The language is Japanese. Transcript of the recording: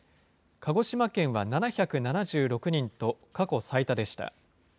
鹿児島県は７７６人と過去最多でした。